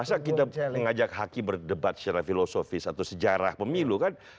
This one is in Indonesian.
masa kita mengajak hakim berdebat secara filosofis atau sejarah pemilu kan